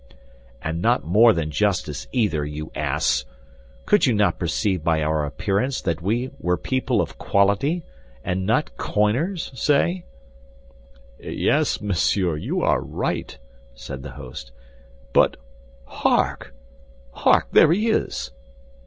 "And not more than justice, either, you ass! Could you not perceive by our appearance that we were people of quality, and not coiners—say?" "Yes, monsieur, you are right," said the host. "But, hark, hark! There he is!"